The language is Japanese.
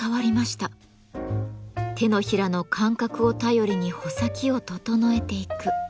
手のひらの感覚を頼りに穂先を整えていく。